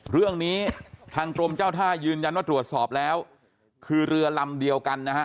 เรื่องนี้ทางกรมเจ้าท่ายืนยันว่าตรวจสอบแล้วคือเรือลำเดียวกันนะฮะ